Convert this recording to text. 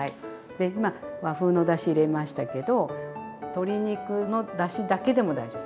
で今和風のだし入れましたけど鶏肉のだしだけでも大丈夫。